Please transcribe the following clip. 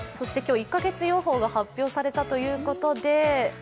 今日、１カ月予報が発表されたということで。